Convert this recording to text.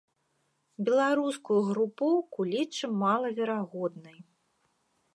Беларускую групоўку лічым малаверагоднай.